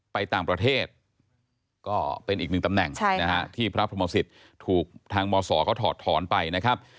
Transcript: ไปต่างประเทศก็เป็นอีกหนึ่งตำแหน่งที่พระพรหมศิษย์ถูกทางมศเขาถอดถอนไปนะครับ